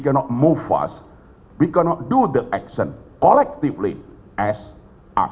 kita tidak bisa melakukan aksi secara kolektif seperti asean